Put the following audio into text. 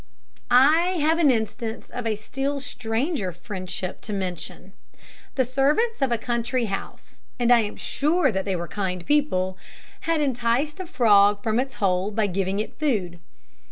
I have an instance of a still stranger friendship to mention. The servants of a country house and I am sure that they were kind people had enticed a frog from its hole by giving it food.